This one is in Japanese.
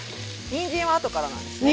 にんじんは後からなんですね。